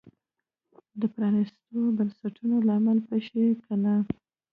د پرانیستو بنسټونو لامل به شي که نه.